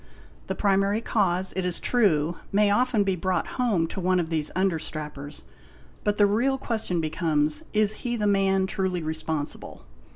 The primary cause, it is true, may often be brought home to one of these under strappers; but the real question becomes,—lIs he the man truly responsible